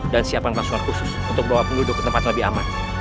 dan siapkan pasukan khusus untuk membawa penduduk ke tempat lebih aman